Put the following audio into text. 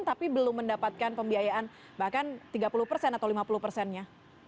tapi belum mendapatkan pembiayaan bahkan tiga puluh persen atau lima puluh persennya